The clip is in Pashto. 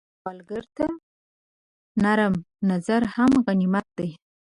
سوالګر ته نرم نظر هم غنیمت دی